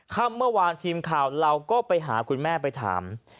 ค่ำเมื่อวานทีมข่าวเราก็ไปหาคุณแม่ไปถาม